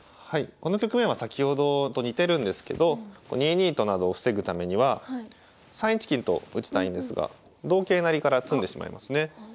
この局面は先ほどと似てるんですけど２二と金などを防ぐためには３一金と打ちたいんですが同桂成から詰んでしまいますね。